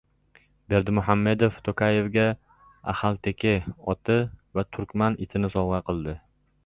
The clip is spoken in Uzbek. Berdimuhamedov Tokayevga axalteke oti va turkman itini sovg‘a qildi